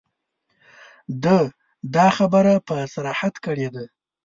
ده دا خبره په صراحت کړې ده.